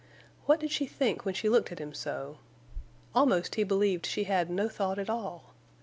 What did she think when she looked at him so? Almost he believed she had no thought at all.